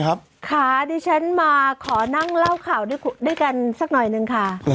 ขอบคุณค่ะในช่วงตอนนี้มานั่งอยู่ตรงนี้ล่ะ